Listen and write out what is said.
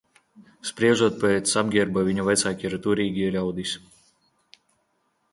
Spriežot pēc apģērba, viņu vecāki ir turīgi ļaudis.